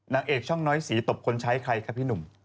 นางเอกช่องน้อยสีตบคนใช้ใครครับพี่หนุ่ม